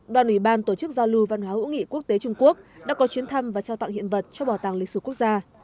đoàn ủy ban tổ chức giao lưu văn hóa hữu nghị quốc tế trung quốc đã có chuyến thăm và trao tặng hiện vật cho bảo tàng lịch sử quốc gia